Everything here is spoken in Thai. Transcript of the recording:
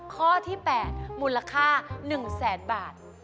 ข้อที่๘มูลค่า๑๐๐๐๐๐บาท